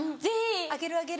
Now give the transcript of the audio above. あげるあげる。